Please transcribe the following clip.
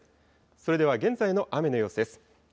それでは現在の雨の様子です。